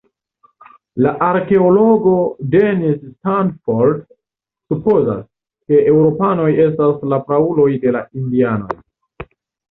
La arkeologo Dennis Stanford supozas, ke eŭropanoj estas la prauloj de la indianoj.